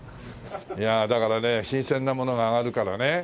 だからね新鮮なものが揚がるからね。